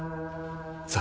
さあ。